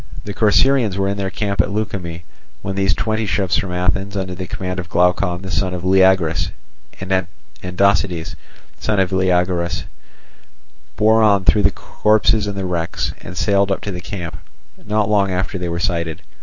The Corcyraeans were in their camp at Leukimme, when these twenty ships from Athens, under the command of Glaucon, the son of Leagrus, and Andocides, son of Leogoras, bore on through the corpses and the wrecks, and sailed up to the camp, not long after they were sighted.